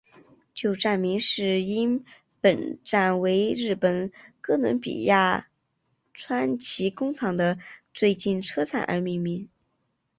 旧站名是因本站为日本哥伦比亚川崎工厂的最近车站而命名。